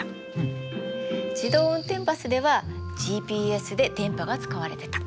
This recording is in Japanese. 自動運転バスではＧＰＳで電波が使われてた。